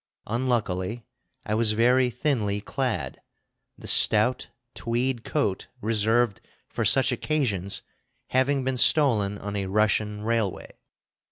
Unluckily I was very thinly clad, the stout tweed coat reserved for such occasions having been stolen on a Russian railway.